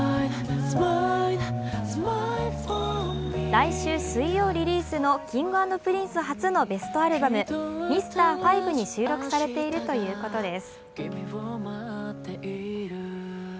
来週水曜リリースのＫｉｎｇ＆Ｐｒｉｎｃｅ初のベストアルバム「Ｍｒ．５」に収録されているということです。